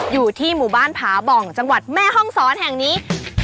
อยู่ที่หมู่บ้านผาบ่องจังหวัดแม่ห้องศรแห่งนี้